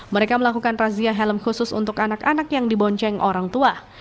mereka melakukan razia helm khusus untuk anak anak yang dibonceng orang tua